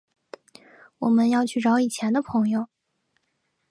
我们要去找以前的朋友